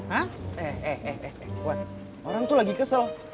eh eh eh eh wan orang tuh lagi kesel